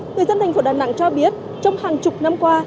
người dân thành phố đà nẵng cho biết trong hàng chục năm qua